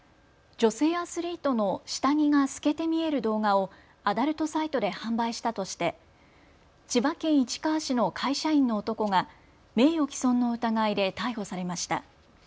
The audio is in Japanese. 女性アスリートの下着が透けて見える動画をアダルトサイトで販売したとして千葉県市川市の会社員の男が名誉毀損の疑いで逮捕されました。